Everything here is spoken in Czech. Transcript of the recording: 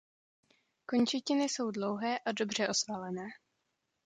Končetiny jsou dlouhé a dobře osvalené.